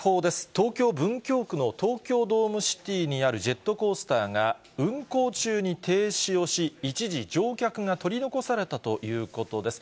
東京・文京区の東京ドームシティにあるジェットコースターが、運行中に停止をし、一時、乗客が取り残されたということです。